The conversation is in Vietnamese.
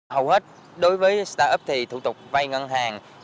hầu hết đối với start up thì thủ tục vay ngân hàng